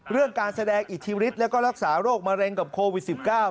เรื่องการแสดงอิทธิฤทธิ์แล้วก็รักษาโรคมะเร็งกับโควิด๑๙